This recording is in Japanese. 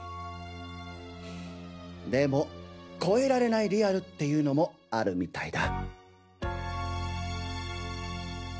でも越えられないリアルっていうのもあるみたいだ。